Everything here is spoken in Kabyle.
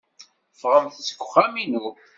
Ffɣemt seg uxxam-inu.